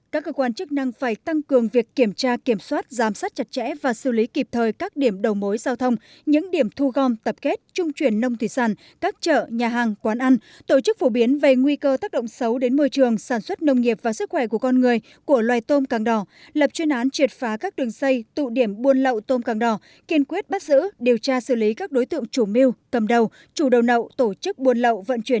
các cơ quan chức năng phải tăng cường việc kiểm tra kiểm soát giám sát chặt chẽ và xử lý kịp thời các điểm đầu mối giao thông những điểm thu gom tập kết trung chuyển nông thủy sản các chợ nhà hàng quán ăn tổ chức phổ biến về nguy cơ tác động xấu đến môi trường sản xuất nông nghiệp và sức khỏe của con người của loài tôm càng đỏ lập chuyên án triệt phá các đường xây tụ điểm buôn lậu tôm càng đỏ kiên quyết bắt giữ điều tra xử lý các đối tượng chủ mưu cầm đầu chủ đầu nậu tổ chức buôn lậu vận chuy